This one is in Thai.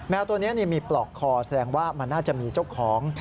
ตัวนี้มีปลอกคอแสดงว่ามันน่าจะมีเจ้าของ